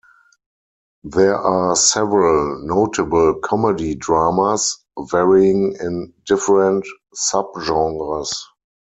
There are several notable comedy-dramas, varying in different subgenres.